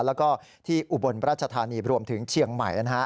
แล้วก็ที่อุบลราชธานีรวมถึงเชียงใหม่